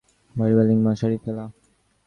বাবা রেলিং- দেয়া খাটে শুয়ে আছেন, মশারি ফেলা।